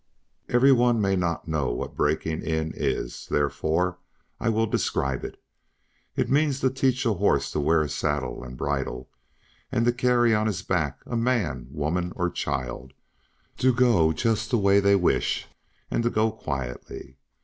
Every one may not know what breaking in is, therefore I will describe it. It means to teach a horse to wear a saddle and bridle, and to carry on his back a man, woman, or child; to go just the way they wish, and to go quietly.